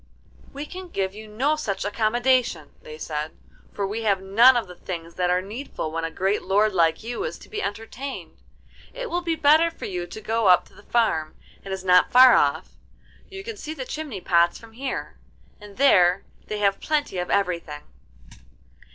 'We can give you no such accommodation,' they said, 'for we have none of the things that are needful when a great lord like you is to be entertained. It will be better for you to go up to the farm. It is not far off, you can see the chimney pots from here, and there they have plenty of everything.